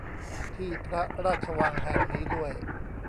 ที่พระราชวังแห่งนี้ด้วย